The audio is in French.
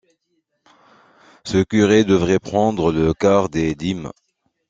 Ce curé devait prendre le quart des dimes.